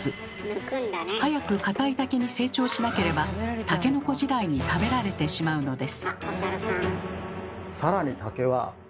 早く堅い竹に成長しなければタケノコ時代に食べられてしまうのです。